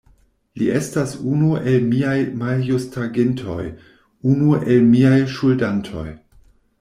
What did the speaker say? Li estas unu el miaj maljustagintoj, unu el miaj ŝuldantoj!